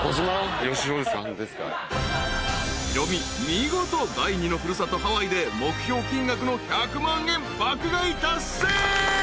見事第二の古里ハワイで目標金額の１００万円爆買い達成］